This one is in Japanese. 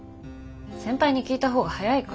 先輩に聞いた方が早いから。